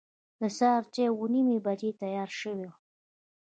د سهار چای اوه نیمې بجې تیار شوی و.